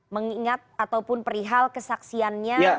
mengingat ataupun perihal kesaksiannya